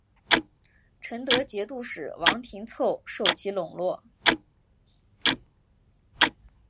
成德节度使王廷凑受其笼络。